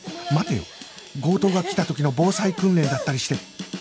待てよ強盗が来た時の防災訓練だったりして